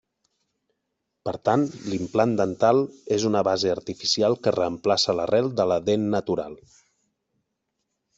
Per tant, l'implant dental és una base artificial que reemplaça l'arrel de la dent natural.